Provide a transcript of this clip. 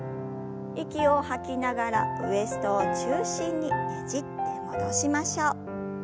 息を吐きながらウエストを中心にねじって戻しましょう。